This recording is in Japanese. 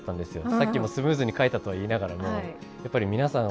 さっきもスムーズに書いたとは言いながらもやっぱり皆さん